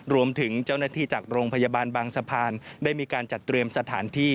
รวมถึงเจ้าหน้าที่จากโรงพยาบาลบางสะพานได้มีการจัดเตรียมสถานที่